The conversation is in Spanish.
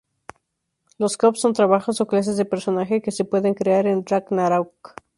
Los Jobs son Trabajos o clases de personaje que se pueden crear en Ragnarök.